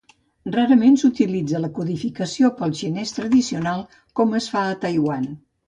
Rarament s'utilitza la codificació pel xinès tradicional com es fa a Taiwan.